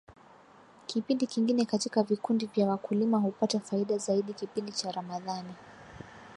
kipindi kingine katika Vikundi vya wakulima hupata faida Zaidi kipindi cha ramadhani